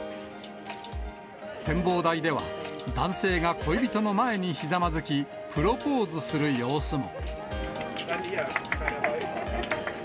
展望台では、男性が恋人の前にひざまずき、プロポーズする様子も。